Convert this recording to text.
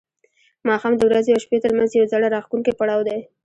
ماښام د ورځې او شپې ترمنځ یو زړه راښکونکی پړاو دی.